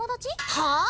はあ？